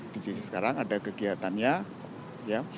di jcc sekarang ada kegiatannya